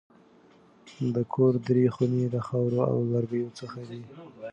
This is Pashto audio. د کور درې خونې د خاورو او لرګیو څخه دي.